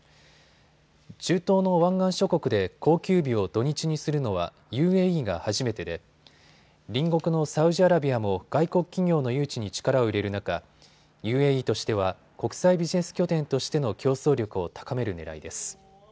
中東の湾岸諸国で公休日を土日にするのはＵＡＥが初めてで隣国のサウジアラビアも外国企業の誘致に力を入れる中、ＵＡＥとしては国際ビジネス拠点としての競争力を高めるねらいです。